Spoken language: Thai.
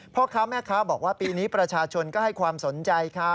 พ่อค้าแม่ค้าบอกว่าปีนี้ประชาชนก็ให้ความสนใจค่ะ